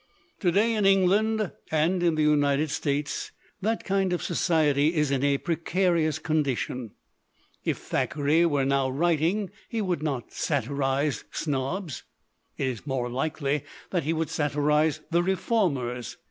" To day, in England and in the United States, that kind of society is in a precarious condition. If Thackeray were now writing, he would not satirize snobs. It is more likely that he would satirize the reformers.